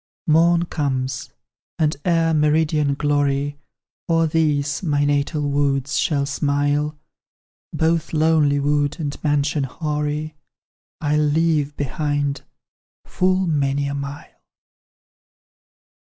"Morn comes and ere meridian glory O'er these, my natal woods, shall smile, Both lonely wood and mansion hoary I'll leave behind, full many a mile."